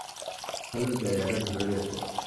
Hello, জায়গাটা ধরে রেখো।